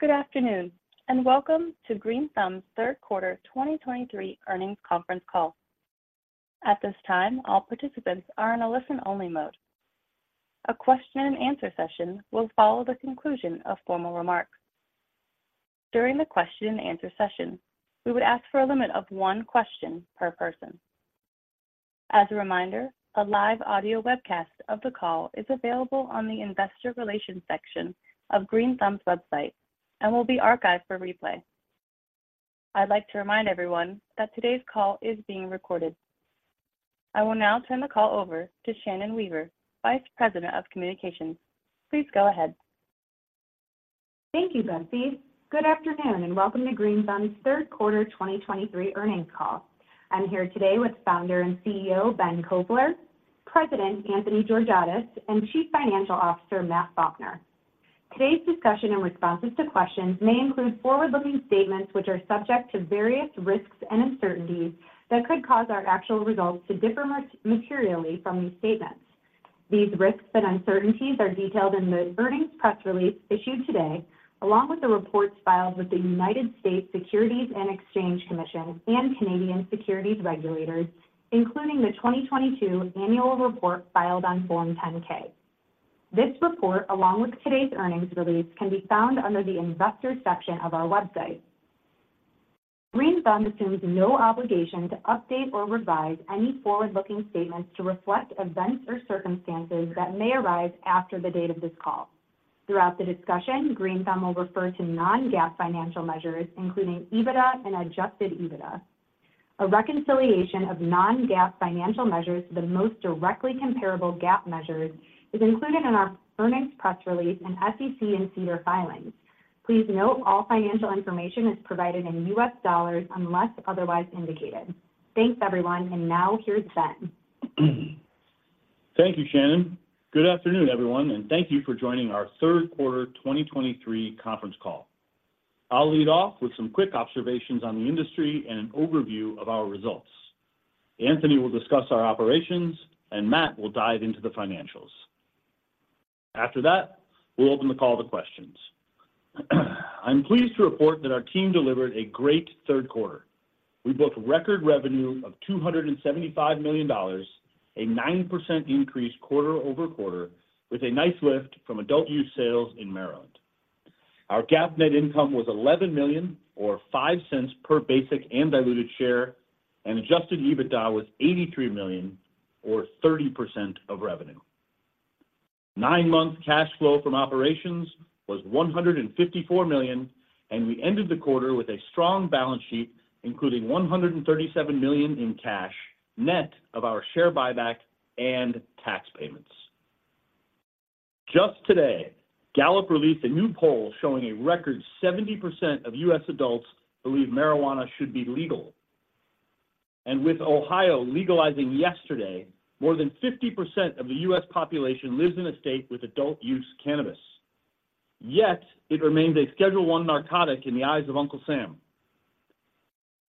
Good afternoon, and welcome to Green Thumb's third quarter 2023 earnings conference call. At this time, all participants are in a listen-only mode. A question and answer session will follow the conclusion of formal remarks. During the question and answer session, we would ask for a limit of one question per person. As a reminder, a live audio webcast of the call is available on the Investor Relations section of Green Thumb's website and will be archived for replay. I'd like to remind everyone that today's call is being recorded. I will now turn the call over to Shannon Weaver, Vice President of Communications. Please go ahead. Thank you, Betsy. Good afternoon, and welcome to Green Thumb's third quarter 2023 earnings call. I'm here today with founder and CEO, Ben Kovler, President Anthony Georgiadis, and Chief Financial Officer, Matt Faulkner. Today's discussion and responses to questions may include forward-looking statements which are subject to various risks and uncertainties that could cause our actual results to differ materially from these statements. These risks and uncertainties are detailed in the earnings press release issued today, along with the reports filed with the United States Securities and Exchange Commission and Canadian Securities Regulators, including the 2022 annual report filed on Form 10-K. This report, along with today's earnings release, can be found under the Investors section of our website. Green Thumb assumes no obligation to update or revise any forward-looking statements to reflect events or circumstances that may arise after the date of this call. Throughout the discussion, Green Thumb will refer to non-GAAP financial measures, including EBITDA and Adjusted EBITDA. A reconciliation of non-GAAP financial measures, the most directly comparable GAAP measures, is included in our earnings press release and SEC and CEDAR filings. Please note, all financial information is provided in U.S. dollars unless otherwise indicated. Thanks, everyone, and now here's Ben. Thank you, Shannon. Good afternoon, everyone, and thank you for joining our third quarter 2023 conference call. I'll lead off with some quick observations on the industry and an overview of our results. Anthony will discuss our operations, and Matt will dive into the financials. After that, we'll open the call to questions. I'm pleased to report that our team delivered a great third quarter. We booked record revenue of $275 million, a 9% increase quarter over quarter, with a nice lift from Adult Use sales in Maryland. Our GAAP net income was $11 million or $0.05 per basic and diluted share, and Adjusted EBITDA was $83 million or 30% of revenue. Nine month cash flow from operations was $154 million, and we ended the quarter with a strong balance sheet, including $137 million in cash, net of our share buyback and tax payments. Just today, Gallup released a new poll showing a record 70% of U.S. adults believe marijuana should be legal. With Ohio legalizing yesterday, more than 50% of the U.S. population lives in a state with Adult Use cannabis. Yet it remains a Schedule One narcotic in the eyes of Uncle Sam.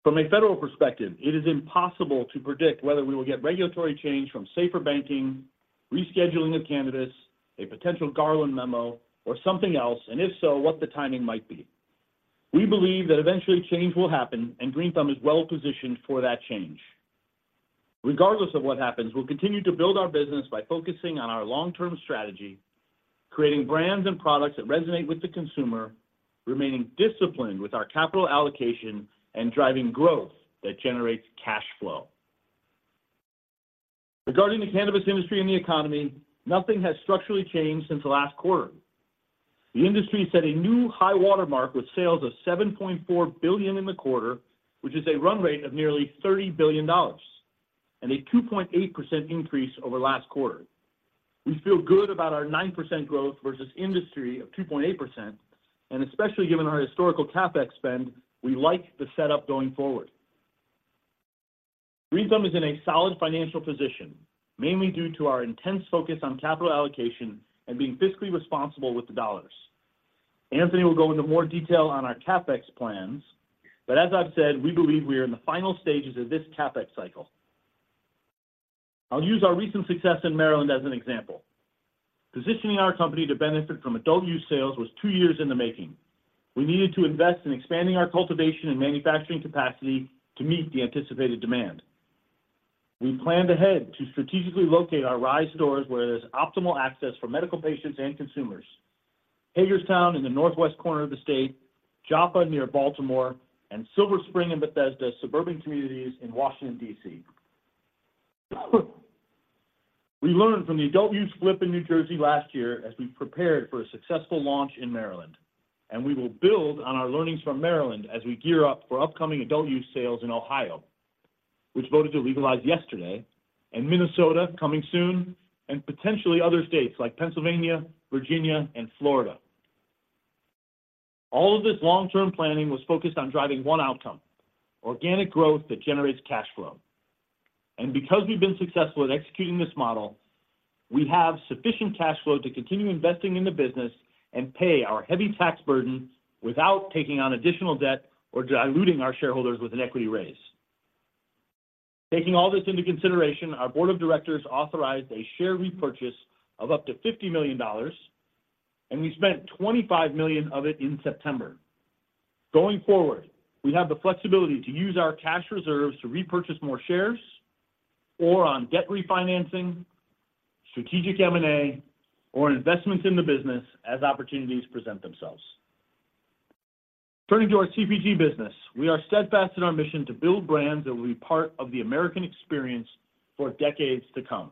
From a federal perspective, it is impossible to predict whether we will get regulatory change from safer banking, rescheduling of cannabis, a potential Garland memo, or something else, and if so, what the timing might be. We believe that eventually change will happen, and Green Thumb is well positioned for that change. Regardless of what happens, we'll continue to build our business by focusing on our long-term strategy, creating brands and products that resonate with the consumer, remaining disciplined with our capital allocation, and driving growth that generates cash flow. Regarding the cannabis industry and the economy, nothing has structurally changed since last quarter. The industry set a new high-water mark with sales of $7.4 billion in the quarter, which is a run rate of nearly $30 billion and a 2.8% increase over last quarter. We feel good about our 9% growth versus industry of 2.8%, and especially given our historical CapEx spend, we like the setup going forward. Green Thumb is in a solid financial position, mainly due to our intense focus on capital allocation and being fiscally responsible with the dollars. Anthony will go into more detail on our CapEx plans, but as I've said, we believe we are in the final stages of this CapEx cycle. I'll use our recent success in Maryland as an example. Positioning our company to benefit from Adult Use sales was two years in the making. We needed to invest in expanding our cultivation and manufacturing capacity to meet the anticipated demand. We planned ahead to strategically locate our RISE stores where there's optimal access for medical patients and consumers. Hagerstown, in the northwest corner of the state, Joppa, near Baltimore, and Silver Spring and Bethesda, suburban communities in Washington, D.C. We learned from the Adult Use flip in New Jersey last year as we prepared for a successful launch in Maryland, and we will build on our learnings from Maryland as we gear up for upcoming Adult Use sales in Ohio, which voted to legalize yesterday, and Minnesota, coming soon, and potentially other states like Pennsylvania, Virginia, and Florida. All of this long-term planning was focused on driving one outcome: organic growth that generates cash flow. Because we've been successful at executing this model, we have sufficient cash flow to continue investing in the business and pay our heavy tax burden without taking on additional debt or diluting our shareholders with an equity raise. Taking all this into consideration, our board of directors authorized a share repurchase of up to $50 million, and we spent $25 million of it in September. Going forward, we have the flexibility to use our cash reserves to repurchase more shares or on debt refinancing, strategic M&A, or investments in the business as opportunities present themselves. Turning to our CPG business, we are steadfast in our mission to build brands that will be part of the American experience for decades to come,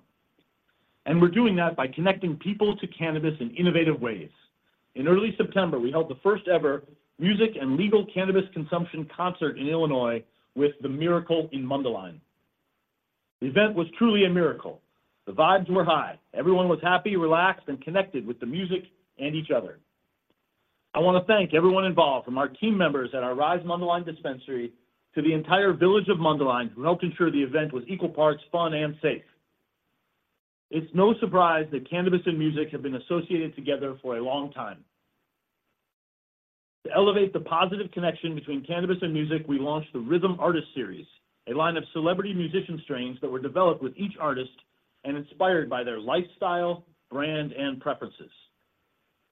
and we're doing that by connecting people to cannabis in innovative ways. In early September, we held the first-ever music and legal cannabis consumption concert in Illinois with the Miracle in Mundelein. The event was truly a miracle. The vibes were high. Everyone was happy, relaxed, and connected with the music and each other. I want to thank everyone involved, from our team members at our RISE Mundelein dispensary to the entire village of Mundelein, who helped ensure the event was equal parts fun and safe. It's no surprise that cannabis and music have been associated together for a long time. To elevate the positive connection between cannabis and music, we launched the RYTHM Artist Series, a line of celebrity musician strains that were developed with each artist and inspired by their lifestyle, brand, and preferences.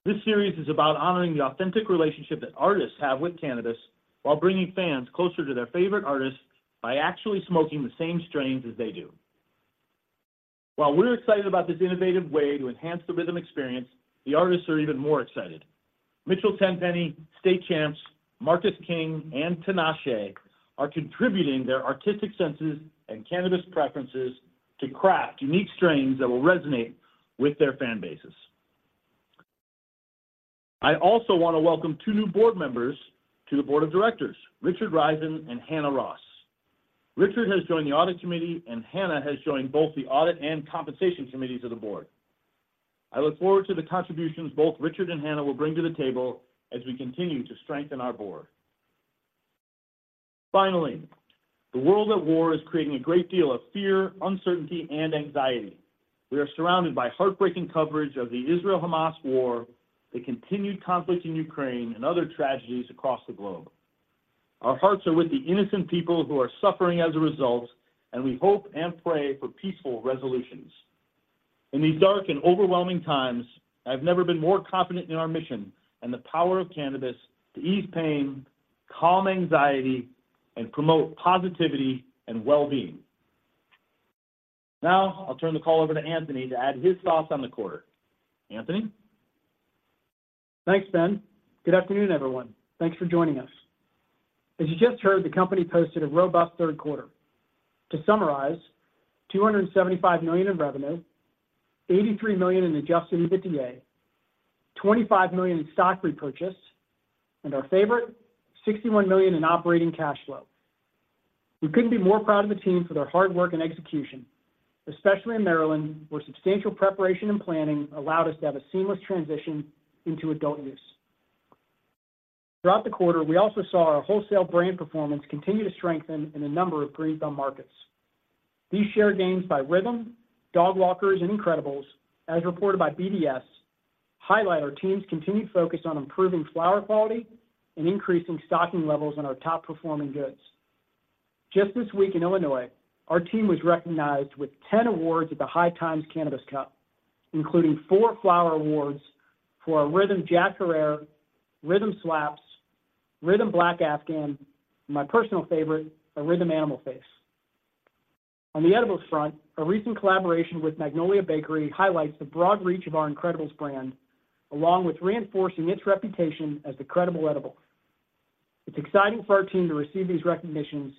This series is about honoring the authentic relationship that artists have with cannabis, while bringing fans closer to their favorite artists by actually smoking the same strains as they do. While we're excited about this innovative way to enhance the RYTHM experience, the artists are even more excited. Mitchell Tenpenny, State Champs, Marcus King, and Tinashe are contributing their artistic senses and cannabis preferences to craft unique strains that will resonate with their fan bases. I also want to welcome two new board members to the board of directors, Richard Reisin and Hannah Ross. Richard has joined the Audit Committee, and Hannah has joined both the Audit and Compensation Committees of the board. I look forward to the contributions both Richard and Hannah will bring to the table as we continue to strengthen our board. Finally, the world at war is creating a great deal of fear, uncertainty, and anxiety. We are surrounded by heartbreaking coverage of the Israel-Hamas war, the continued conflict in Ukraine, and other tragedies across the globe. Our hearts are with the innocent people who are suffering as a result, and we hope and pray for peaceful resolutions. In these dark and overwhelming times, I've never been more confident in our mission and the power of cannabis to ease pain, calm anxiety, and promote positivity and well-being. Now, I'll turn the call over to Anthony to add his thoughts on the quarter. Anthony? Thanks, Ben. Good afternoon, everyone. Thanks for joining us. As you just heard, the company posted a robust third quarter. To summarize, $275 million in revenue, $83 million in Adjusted EBITDA, $25 million in stock repurchase, and our favorite, $61 million in operating cash flow. We couldn't be more proud of the team for their hard work and execution, especially in Maryland, where substantial preparation and planning allowed us to have a seamless transition into Adult Use. Throughout the quarter, we also saw our wholesale brand performance continue to strengthen in a number of Green Thumb markets. These share gains by RYTHM, Dogwalkers, and Incredibles, as reported by BDS, highlight our team's continued focus on improving flower quality and increasing stocking levels on our top-performing goods. Just this week in Illinois, our team was recognized with 10 awards at the High Times Cannabis Cup, including four flower awards for our RYTHM Jack Herer, RYTHM Slapz, RYTHM Black Afghan, my personal favorite, a RYTHM Animal Face. On the edibles front, a recent collaboration with Magnolia Bakery highlights the broad reach of our incredibles brand, along with reinforcing its reputation as the credible edible. It's exciting for our team to receive these recognitions,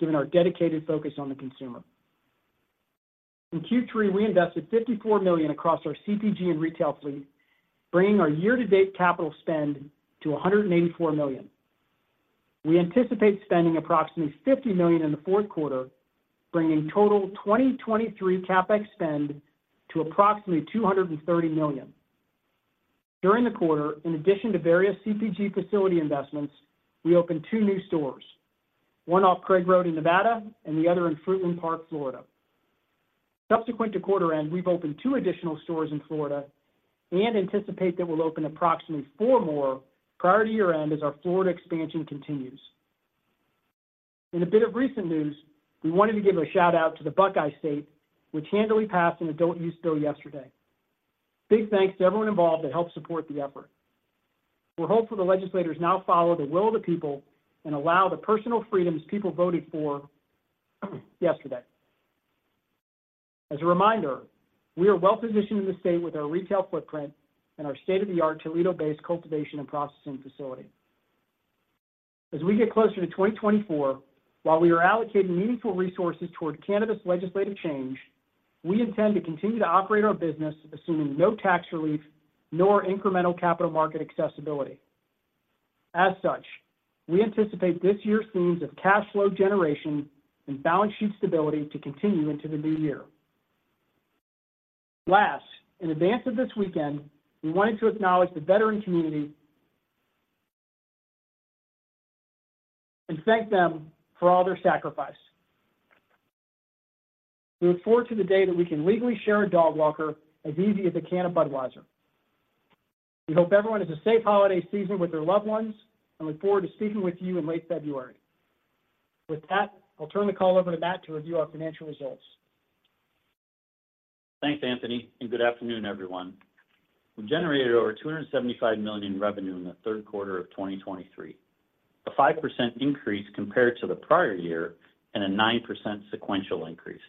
given our dedicated focus on the consumer. In Q3, we invested $54 million across our CPG and retail fleet, bringing our year-to-date capital spend to $184 million. We anticipate spending approximately $50 million in the fourth quarter, bringing total 2023 CapEx spend to approximately $230 million. During the quarter, in addition to various CPG facility investments, we opened two new stores, one off Craig Road in Nevada and the other in Fruitland Park, Florida. Subsequent to quarter end, we've opened two additional stores in Florida and anticipate that we'll open approximately four more prior to year-end as our Florida expansion continues. In a bit of recent news, we wanted to give a shout-out to the Buckeye State, which handily passed an Adult Use bill yesterday. Big thanks to everyone involved that helped support the effort. We're hopeful the legislators now follow the will of the people and allow the personal freedoms people voted for, yesterday. As a reminder, we are well-positioned in the state with our retail footprint and our state-of-the-art Toledo-based cultivation and processing facility. As we get closer to 2024, while we are allocating meaningful resources toward cannabis legislative change, we intend to continue to operate our business, assuming no tax relief nor incremental capital market accessibility. As such, we anticipate this year's themes of cash flow generation and balance sheet stability to continue into the new year. Last, in advance of this weekend, we wanted to acknowledge the veteran community, and thank them for all their sacrifice. We look forward to the day that we can legally share a Dog Walker as easy as a can of Budweiser. We hope everyone has a safe holiday season with their loved ones, and look forward to speaking with you in late February. With that, I'll turn the call over to Matt to review our financial results. Thanks, Anthony, and good afternoon, everyone. We generated over $275 million in revenue in the third quarter of 2023, a 5% increase compared to the prior year and a 9% sequential increase.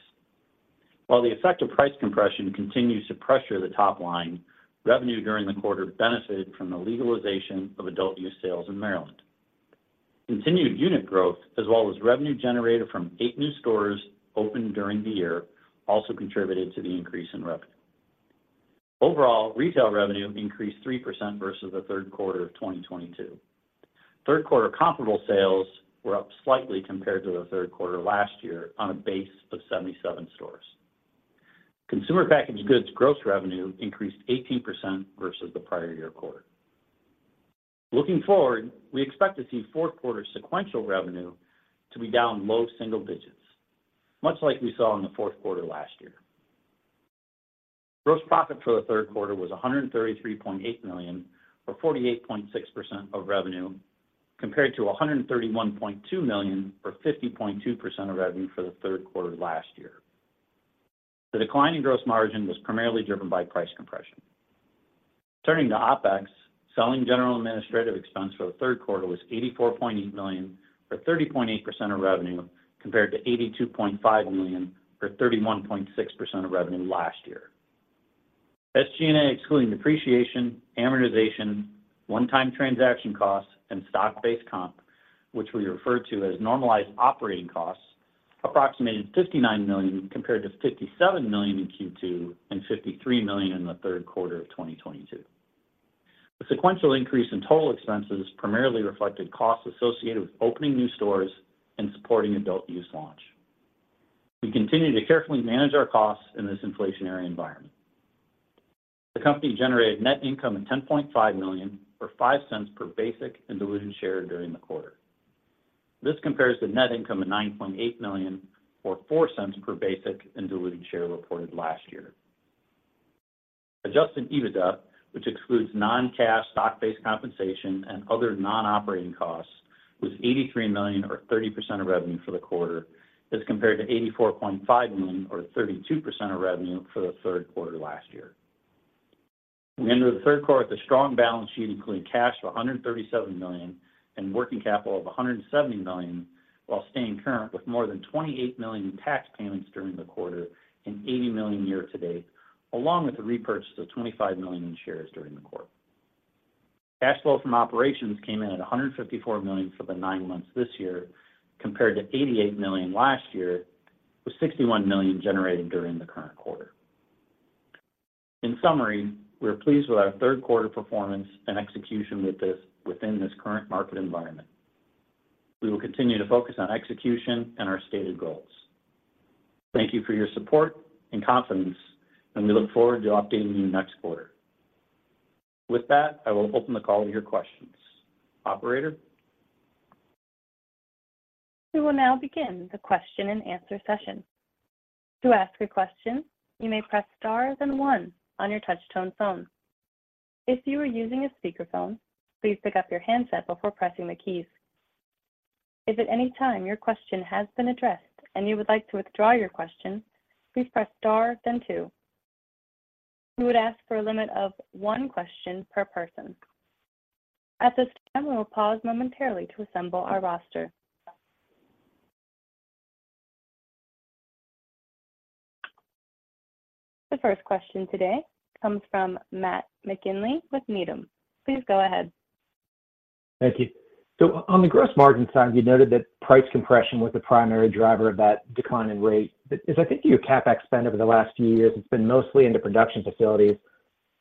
While the effect of price compression continues to pressure the top line, revenue during the quarter benefited from the legalization of Adult Use sales in Maryland. Continued unit growth, as well as revenue generated from eight new stores opened during the year, also contributed to the increase in revenue. Overall, retail revenue increased 3% versus the third quarter of 2022. Third quarter comparable sales were up slightly compared to the third quarter last year on a base of 77 stores. Consumer packaged goods gross revenue increased 18% versus the prior year quarter. Looking forward, we expect to see fourth quarter sequential revenue to be down low single digits, much like we saw in the fourth quarter last year. Gross profit for the third quarter was $133.8 million, or 48.6% of revenue, compared to $131.2 million, or 50.2% of revenue for the third quarter last year. The decline in gross margin was primarily driven by price compression. Turning to OpEx, selling general administrative expense for the third quarter was $84.8 million, or 30.8% of revenue, compared to $82.5 million, or 31.6% of revenue last year. SG&A, excluding depreciation, amortization, one-time transaction costs, and stock-based comp, which we refer to as normalized operating costs, approximated $59 million, compared to $57 million in Q2 and $53 million in the third quarter of 2022. The sequential increase in total expenses primarily reflected costs associated with opening new stores and supporting Adult Use launch. We continue to carefully manage our costs in this inflationary environment. The company generated net income of $10.5 million, or $0.05 per basic and diluted share during the quarter. This compares to net income of $9.8 million, or $0.04 per basic and diluted share reported last year. Adjusted EBITDA, which excludes non-cash stock-based compensation and other non-operating costs, was $83 million, or 30% of revenue for the quarter, as compared to $84.5 million, or 32% of revenue for the third quarter last year. We entered the third quarter with a strong balance sheet, including cash of $137 million and working capital of $170 million, while staying current with more than $28 million in tax payments during the quarter and $80 million year to date, along with the repurchase of $25 million in shares during the quarter. Cash flow from operations came in at $154 million for the nine months this year, compared to $88 million last year, with $61 million generated during the current quarter. In summary, we're pleased with our third quarter performance and execution with this, within this current market environment. We will continue to focus on execution and our stated goals. Thank you for your support and confidence, and we look forward to updating you next quarter. With that, I will open the call to your questions. Operator? We will now begin the question and answer session. To ask a question, you may press star then one on your touch tone phone. If you are using a speakerphone, please pick up your handset before pressing the keys. If at any time your question has been addressed and you would like to withdraw your question, please press star then two. We would ask for a limit of one question per person. At this time, we will pause momentarily to assemble our roster. The first question today comes from Matt McGinley with Needham. Please go ahead. Thank you. So on the gross margin side, you noted that price compression was the primary driver of that decline in rate. As I think your CapEx spend over the last few years has been mostly into production facilities,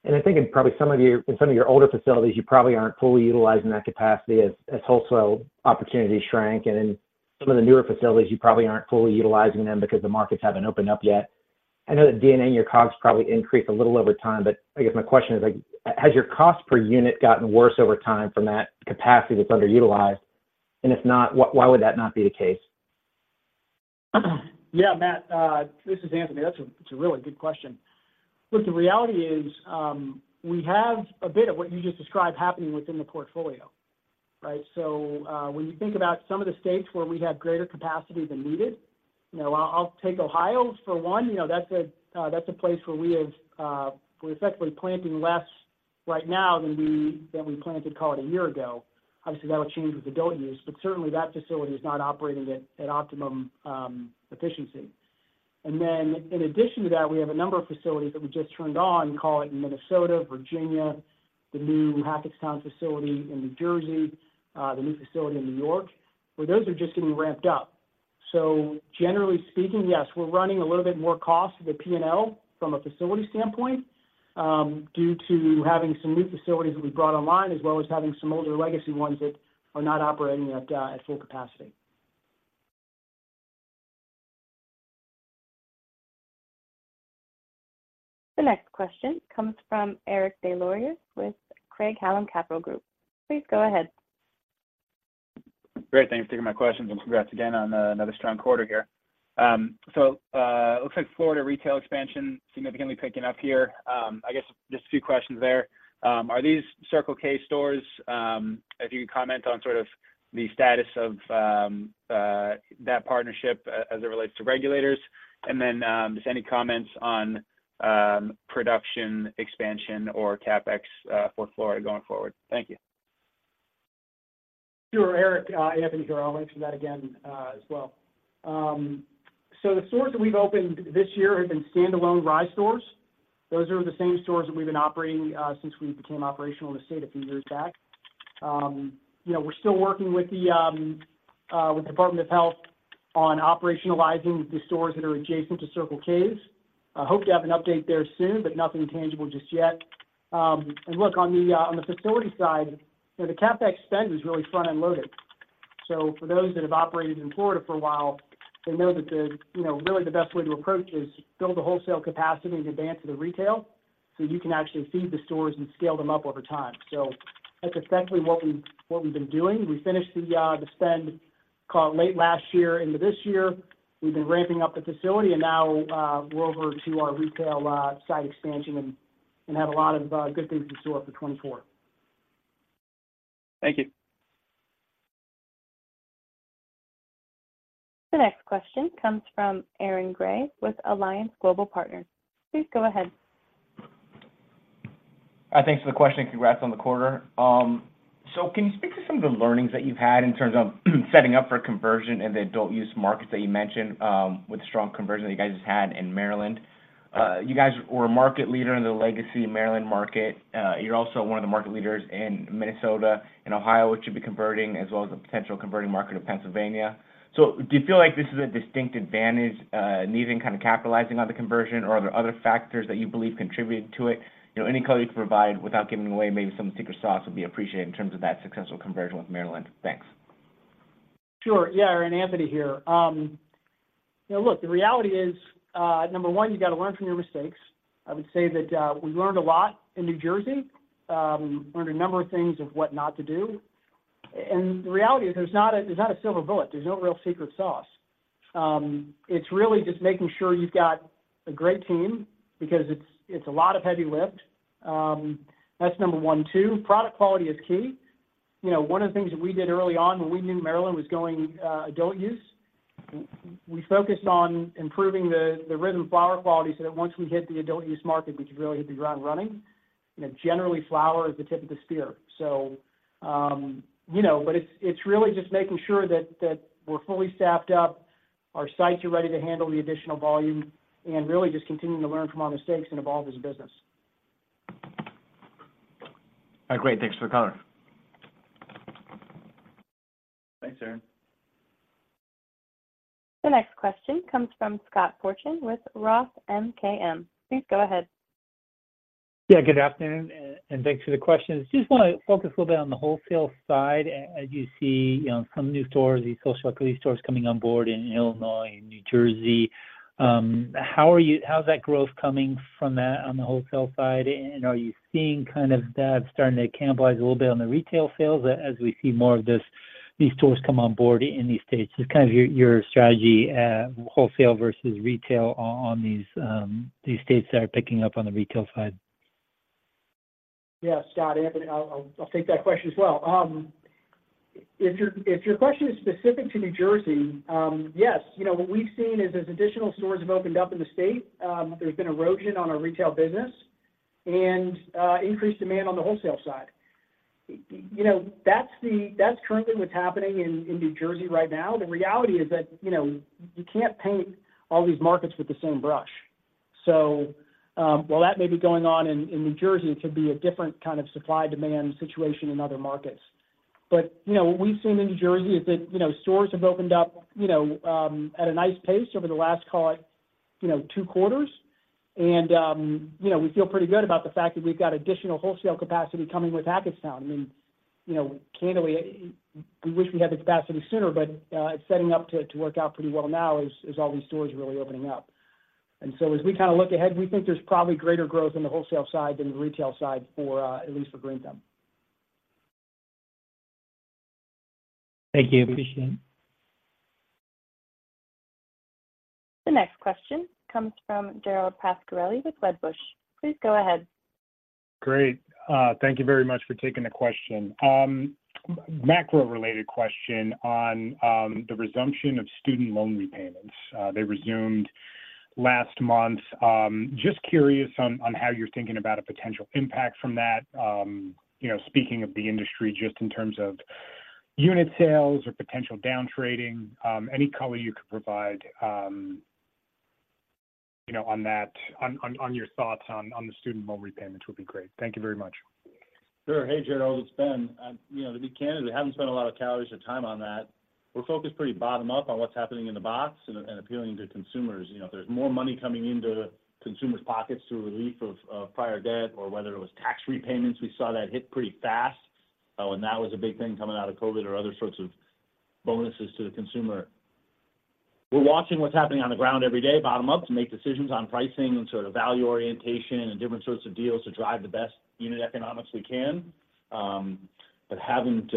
and I think in probably some of your older facilities, you probably aren't fully utilizing that capacity as wholesale opportunities shrank, and in some of the newer facilities, you probably aren't fully utilizing them because the markets haven't opened up yet. I know that D&A in your costs probably increase a little over time, but I guess my question is, like, has your cost per unit gotten worse over time from that capacity that's underutilized? And if not, why, why would that not be the case? Yeah, Matt, this is Anthony. That's a, that's a really good question. Look, the reality is, we have a bit of what you just described happening within the portfolio, right? So, when you think about some of the states where we have greater capacity than needed, you know, I'll, I'll take Ohio for one. You know, that's a, that's a place where we have, we're effectively planting less right now than we, than we planted, call it, a year ago. Obviously, that will change with Adult Use, but certainly that facility is not operating at, at optimum, efficiency. And then in addition to that, we have a number of facilities that we just turned on, call it Minnesota, Virginia, the new Hackettstown facility in New Jersey, the new facility in New York, where those are just getting ramped up. So generally speaking, yes, we're running a little bit more cost to the P&L from a facility standpoint, due to having some new facilities that we brought online, as well as having some older legacy ones that are not operating at full capacity. The next question comes from Eric Des Lauriers with Craig-Hallum Capital Group. Please go ahead. Great. Thanks for taking my questions, and congrats again on another strong quarter here. So, it looks like Florida retail expansion significantly picking up here. I guess just a few questions there. Are these Circle K stores? If you could comment on sort of the status of that partnership as it relates to regulators. And then, just any comments on production, expansion, or CapEx for Florida going forward? Thank you. Sure, Eric, Anthony here. I'll answer that again, as well. So the stores that we've opened this year have been standalone RISE stores. Those are the same stores that we've been operating since we became operational in the state a few years back. You know, we're still working with the Department of Health on operationalizing the stores that are adjacent to Circle K's. I hope to have an update there soon, but nothing tangible just yet. And look, on the facility side, you know, the CapEx spend is really front-end loaded. So for those that have operated in Florida for a while, they know that, you know, really the best way to approach is build the wholesale capacity in advance of the retail, so you can actually feed the stores and scale them up over time. So that's essentially what we've been doing. We finished the spend, call it, late last year into this year. We've been ramping up the facility, and now we're over to our retail site expansion and have a lot of good things in store for 2024. Thank you. The next question comes from Aaron Grey with Alliance Global Partners. Please go ahead. Thanks for the question, and congrats on the quarter. So can you speak to some of the learnings that you've had in terms of setting up for conversion in the Adult Use markets that you mentioned, with the strong conversion that you guys just had in Maryland? You guys were a market leader in the legacy Maryland market. You're also one of the market leaders in Minnesota and Ohio, which should be converting, as well as a potential converting market of Pennsylvania. So do you feel like this is a distinct advantage, and even kind of capitalizing on the conversion, or are there other factors that you believe contributed to it? You know, any color you can provide without giving away maybe some secret sauce would be appreciated in terms of that successful conversion with Maryland. Thanks. Sure. Yeah, Aaron, Anthony here. You know, look, the reality is, number one, you got to learn from your mistakes. I would say that, we learned a lot in New Jersey. Learned a number of things of what not to do. And the reality is, there's not a, there's not a silver bullet. There's no real secret sauce. It's really just making sure you've got a great team because it's a lot of heavy lift. That's number one. Two, product quality is key. You know, one of the things that we did early on when we knew Maryland was going Adult Use, we focused on improving the rhythm flower quality so that once we hit the Adult Use market, we could really hit the ground running. You know, generally, flower is the tip of the spear. You know, but it's really just making sure that we're fully staffed up, our sites are ready to handle the additional volume, and really just continuing to learn from our mistakes and evolve as a business. All right, great. Thanks for the color. Thanks, Aaron. The next question comes from Scott Fortune with Roth MKM. Please go ahead. Yeah, good afternoon, and thanks for the question. Just want to focus a little bit on the wholesale side. As you see, you know, some new stores, these Social Equity stores coming on board in Illinois and New Jersey, how's that growth coming from that on the wholesale side? And are you seeing kind of that starting to cannibalize a little bit on the retail sales as we see more of this, these stores come on board in these states? Just kind of your strategy at wholesale versus retail on these states that are picking up on the retail side. Yeah, Scott, Anthony, I'll take that question as well. If your question is specific to New Jersey, yes. You know, what we've seen is, as additional stores have opened up in the state, there's been erosion on our retail business and increased demand on the wholesale side. You know, that's currently what's happening in New Jersey right now. The reality is that, you know, you can't paint all these markets with the same brush. So, while that may be going on in New Jersey, it could be a different kind of supply-demand situation in other markets. But, you know, what we've seen in New Jersey is that, you know, stores have opened up, you know, at a nice pace over the last, call it, you know, two quarters. You know, we feel pretty good about the fact that we've got additional wholesale capacity coming with Hackettstown. I mean, you know, candidly, we wish we had the capacity sooner, but it's setting up to work out pretty well now as all these stores are really opening up. And so as we kind of look ahead, we think there's probably greater growth in the wholesale side than the retail side for at least for Green Thumb. Thank you. Appreciate it. The next question comes from Gerald Pascarelli with Wedbush. Please go ahead. Great. Thank you very much for taking the question. Macro-related question on the resumption of student loan repayments. They resumed last month. Just curious on how you're thinking about a potential impact from that. You know, speaking of the industry, just in terms of unit sales or potential down trading, any color you could provide, you know, on that, on your thoughts on the student loan repayments would be great. Thank you very much. Sure. Hey, Gerald, it's Ben. You know, to be candid, we haven't spent a lot of calories or time on that. We're focused pretty bottom-up on what's happening in the box and, and appealing to consumers. You know, if there's more money coming into consumers' pockets through relief of, of prior debt or whether it was tax repayments, we saw that hit pretty fast. And that was a big thing coming out of COVID or other sorts of bonuses to the consumer. We're watching what's happening on the ground every day, bottom up, to make decisions on pricing and sort of value orientation and different sorts of deals to drive the best unit economics we can. But haven't,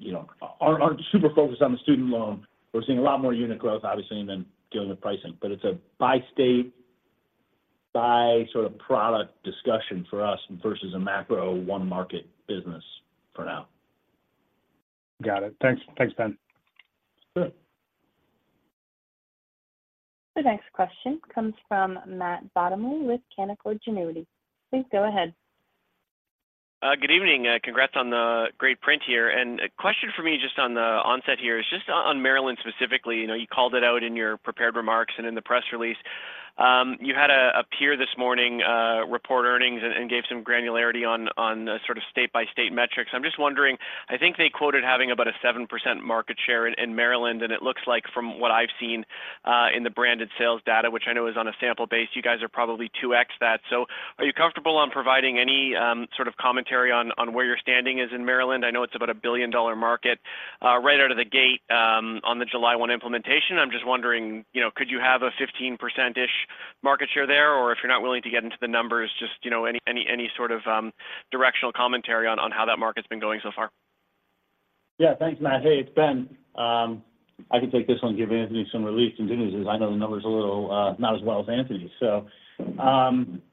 you know, aren't super focused on the student loan. We're seeing a lot more unit growth, obviously, than dealing with pricing. But it's a by state, by sort of product discussion for us versus a macro one market business for now. Got it. Thanks. Thanks, Ben. Sure. The next question comes from Matt Bottomley with Canaccord Genuity. Please go ahead. Good evening. Congrats on the great print here. A question for me, just on the onset here, is just on Maryland specifically. You know, you called it out in your prepared remarks and in the press release. You had a peer this morning report earnings and gave some granularity on the sort of state-by-state metrics. I'm just wondering, I think they quoted having about a 7% market share in Maryland, and it looks like from what I've seen in the branded sales data, which I know is on a sample base, you guys are probably 2x that. So are you comfortable on providing any sort of commentary on where your standing is in Maryland? I know it's about a billion-dollar market right out of the gate on the July 1 implementation. I'm just wondering, you know, could you have a 15% ish market share there? Or if you're not willing to get into the numbers, just, you know, any sort of directional commentary on how that market's been going so far? Yeah. Thanks, Matt. Hey, it's Ben. I can take this one and give Anthony some relief since I know the numbers a little, not as well as Anthony. So,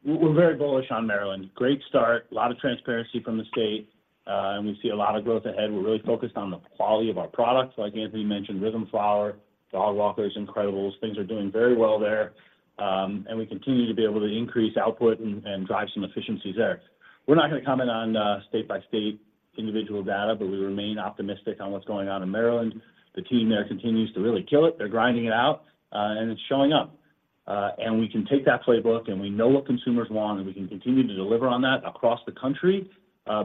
we're very bullish on Maryland. Great start, a lot of transparency from the state, and we see a lot of growth ahead. We're really focused on the quality of our products. Like Anthony mentioned, RYTHM Flower, Dogwalkers is incredible. Things are doing very well there, and we continue to be able to increase output and drive some efficiencies there. We're not going to comment on, state-by-state individual data, but we remain optimistic on what's going on in Maryland. The team there continues to really kill it. They're grinding it out, and it's showing up. and we can take that playbook, and we know what consumers want, and we can continue to deliver on that across the country,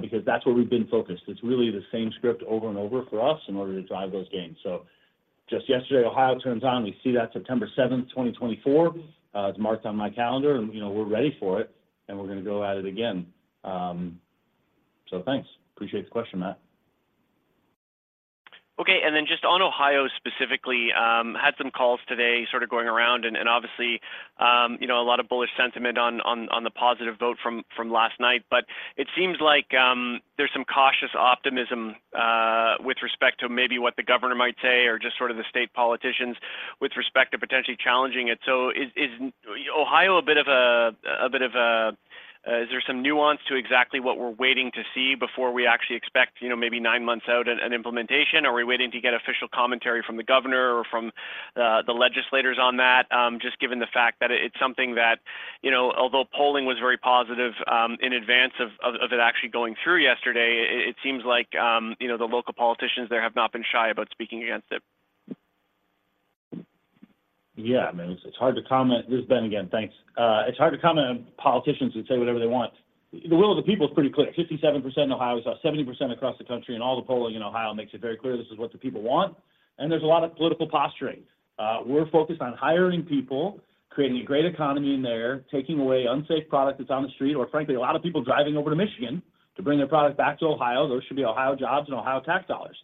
because that's where we've been focused. It's really the same script over and over for us in order to drive those gains. So just yesterday, Ohio turns on. We see that September 7, 2024, it's marked on my calendar, and, you know, we're ready for it, and we're going to go at it again. So thanks. Appreciate the question, Matt. Okay, and then just on Ohio specifically, had some calls today, sort of going around and obviously, you know, a lot of bullish sentiment on the positive vote from last night. But it seems like there's some cautious optimism with respect to maybe what the governor might say or just sort of the state politicians with respect to potentially challenging it. So is Ohio a bit of a. Is there some nuance to exactly what we're waiting to see before we actually expect, you know, maybe nine months out an implementation? Or are we waiting to get official commentary from the governor or from the legislators on that? Just given the fact that it's something that, you know, although polling was very positive, in advance of it actually going through yesterday, it seems like, you know, the local politicians there have not been shy about speaking against it. Yeah, I mean, it's hard to comment. This is Ben again. Thanks. It's hard to comment on politicians who say whatever they want. The will of the people is pretty clear. 57% in Ohio, saw 70% across the country, and all the polling in Ohio makes it very clear this is what the people want, and there's a lot of political posturing. We're focused on hiring people, creating a great economy in there, taking away unsafe product that's on the street, or frankly, a lot of people driving over to Michigan to bring their product back to Ohio. Those should be Ohio jobs and Ohio tax dollars.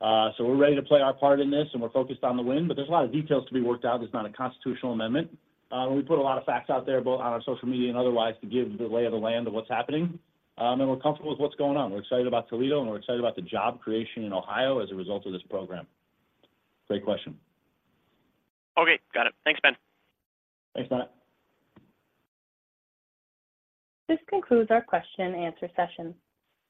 So we're ready to play our part in this, and we're focused on the win, but there's a lot of details to be worked out. There's not a constitutional amendment. We put a lot of facts out there, both on our social media and otherwise, to give the lay of the land of what's happening. We're comfortable with what's going on. We're excited about Toledo, and we're excited about the job creation in Ohio as a result of this program. Great question. Okay, got it. Thanks, Ben. Thanks, Matt. This concludes our question and answer session.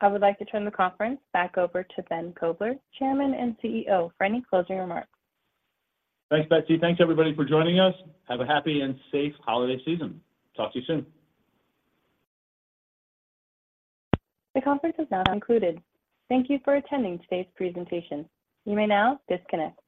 I would like to turn the conference back over to Ben Kovler, Chairman and CEO, for any closing remarks. Thanks, Betsy. Thanks, everybody, for joining us. Have a happy and safe holiday season. Talk to you soon. The conference is now concluded. Thank you for attending today's presentation. You may now disconnect.